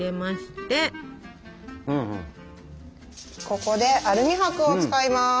ここでアルミ箔を使います。